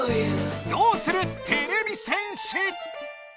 どうするてれび戦士！